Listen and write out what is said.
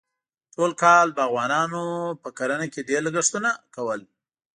ټول کال باغوانانو په کرنه کې ډېر لګښتونه کول.